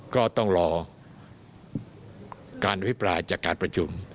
ก็ต้องรอการอภิปรายจากการประชุม